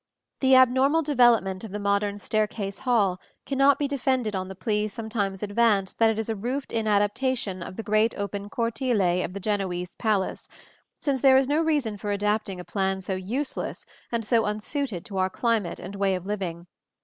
] The abnormal development of the modern staircase hall cannot be defended on the plea sometimes advanced that it is a roofed in adaptation of the great open cortile of the Genoese palace, since there is no reason for adapting a plan so useless and so unsuited to our climate and way of living.